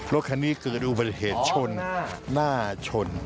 รถคันนี้เกิดอุบัติเหตุชนหน้าชน